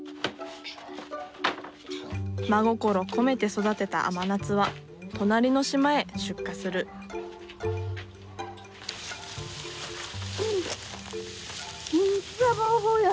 真心込めて育てた甘夏は隣の島へ出荷する草ぼうぼうや。